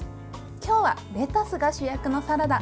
今日はレタスが主役のサラダ。